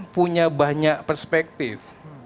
punya banyak perspektif